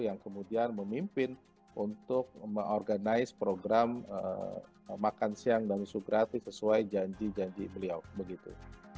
yang kemudian memimpin untuk mengorganisasi program makan siang dan isu gratis sesuai janji janji beliau